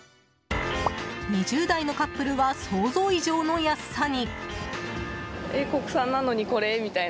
２０代のカップルは想像以上の安さに。